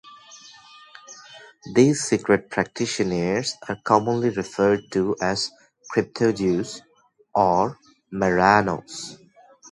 These secret practitioners are commonly referred to as crypto-Jews or "marranos".